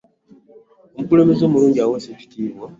omukulembeze omulungi ewesa ekitiibwa